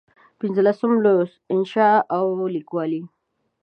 پنځلسم لوست: انشأ او لیکوالي